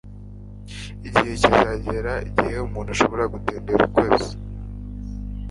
igihe kizagera igihe umuntu azashobora gutembera ukwezi